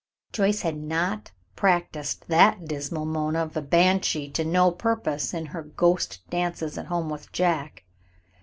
Joyce had not practised that dismal moan of a banshee to no purpose in her ghost dances at home with Jack.